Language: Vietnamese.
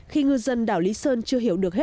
khi ngư dân đảo lý sơn chưa hiểu được